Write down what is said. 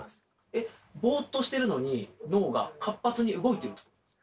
えっボーっとしてるのに脳が活発に動いてるってことですか？